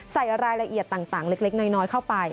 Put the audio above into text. ใส่รายละเอียดต่างเล็กน้อยเข้าไป